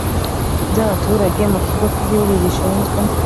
By abaturage mu kigo cy igihugu gishinzwe